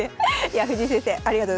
藤井先生ありがとうございます。